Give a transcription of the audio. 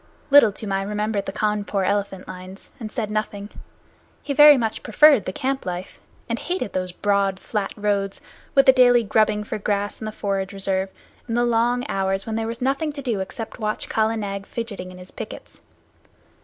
Little Toomai remembered the Cawnpore elephant lines and said nothing. He very much preferred the camp life, and hated those broad, flat roads, with the daily grubbing for grass in the forage reserve, and the long hours when there was nothing to do except to watch Kala Nag fidgeting in his pickets.